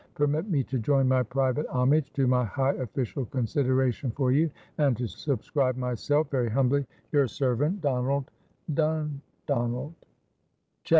"Permit me to join my private homage To my high official consideration for you, And to subscribe myself Very humbly your servant, DONALD DUNDONALD."